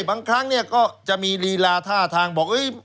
บางครั้งเนี่ยก็จะมีลีลาท่าทางบอก